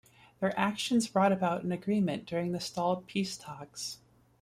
Their actions brought about an agreement during the stalled peace talks.